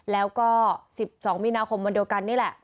แล้วก็๑๒มีนาคมวันเดียวกันนี่แหละ